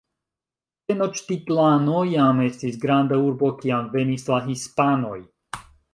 Tenoĉtitlano jam estis granda urbo, kiam venis la Hispanoj.